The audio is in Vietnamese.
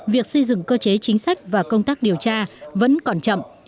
việc xây dựng cơ chế chính sách và công tác điều tra vẫn còn chậm